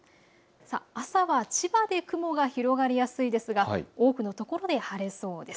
朝は千葉で雲が広がりやすいですが多くの所で晴れそうです。